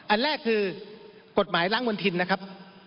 อันแรกคือกฎหมายล้างมณฑินนะครับ